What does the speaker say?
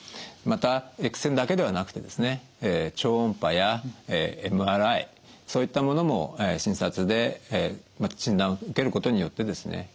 またＸ線だけではなくてですね超音波やＭＲＩそういったものも診察で診断を受けることによってですね